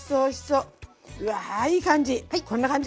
うわいい感じ。